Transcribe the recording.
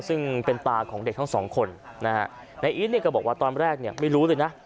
ซึ่งเป็นตาของเด็กทั้งสองคนนะฮะนายอีทเนี่ยก็บอกว่าตอนแรกเนี่ยไม่รู้เลยนะ